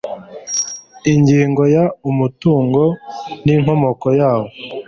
Ingingo ya Umutungo n inkomoko yawo